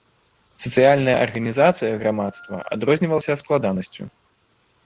Сацыяльная арганізацыя грамадства адрознівалася складанасцю.